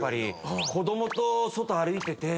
子供と外歩いてて。